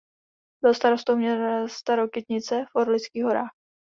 Byl starostou města Rokytnice v Orlických horách.